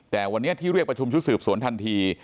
แต่วันนี้ที่เรียกประชุมชุดสืบสวนทันที